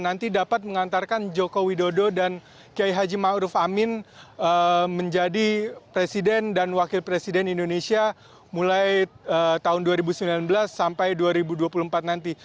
nanti dapat mengantarkan joko widodo dan kiai haji ⁇ maruf ⁇ amin menjadi presiden dan wakil presiden indonesia mulai tahun dua ribu sembilan belas sampai dua ribu dua puluh empat nanti